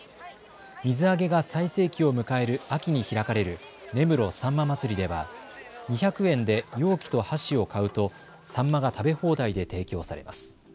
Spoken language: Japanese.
水揚げが最盛期を迎える秋に開かれる根室さんま祭りでは２００円で容器と箸を買うとサンマが食べ放題で提供されます。